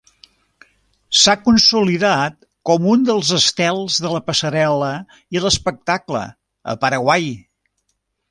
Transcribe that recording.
S'ha consolidat com un dels estels de la passarel·la i l'espectacle a Paraguai.